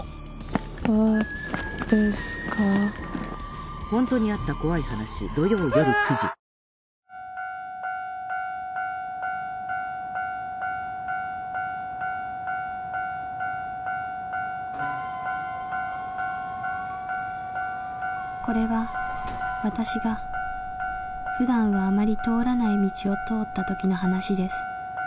明治おいしい牛乳［これは私が普段はあまり通らない道を通ったときの話です］